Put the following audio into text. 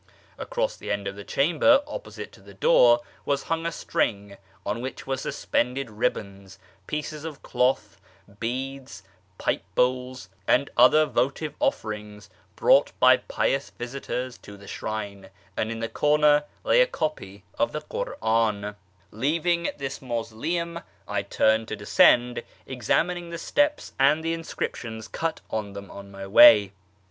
Across the end of the chamber opposite to the door was hung a string, on which were susj^ended ribbons, pieces of cloth, beads, pipe bowls, and other votive offerings brought by pious visitors to the shrine ; and in the corner lay a copy of the Kur'dn, Leaving the mausoleum, I turned to descend, examining the steps and the inscriptions cut on them on my way.